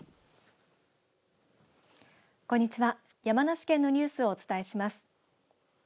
山梨県のニュースをお伝えします。